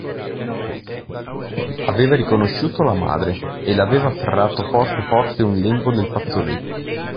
Aveva riconosciuto la madre, e le aveva afferrato forte forte un lembo del fazzoletto.